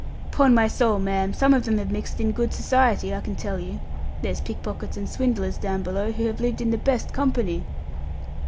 "'Pon my soul, ma'am, some of them have mixed in good society, I can tell you. There's pickpockets and swindlers down below who have lived in the best company."